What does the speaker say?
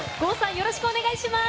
よろしくお願いします。